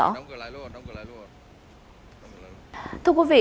đóng cửa lại luôn đóng cửa lại luôn